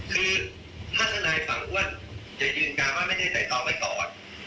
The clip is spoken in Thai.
คือถ้าทนายฝั่งอ้วนจะยืนการว่าไม่ได้ใส่ตองไว้ก่อน